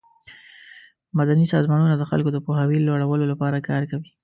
مدني سازمانونه د خلکو د پوهاوي د لوړولو لپاره کار کوي.